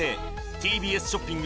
ＴＢＳショッピング